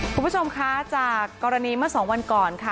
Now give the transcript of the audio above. คุณผู้ชมคะจากกรณีเมื่อสองวันก่อนค่ะ